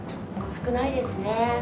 少ないですね。